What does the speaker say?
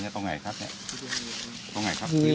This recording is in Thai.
นี่ต้องการดู